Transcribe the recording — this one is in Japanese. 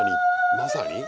まさに？